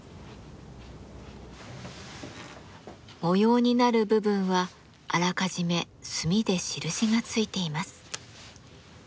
模様になる部分はあらかじめ墨で印がついています。